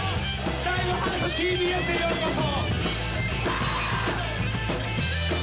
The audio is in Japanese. ライブハウスＴＢＳへようこそ！